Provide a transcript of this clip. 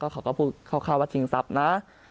เขาก็คือเขาฆ่าว่าบนชิงทรัพย์นะ